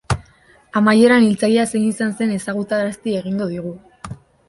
Amaieran hiltzailea zein izan zen ezagutarazi egingo digu.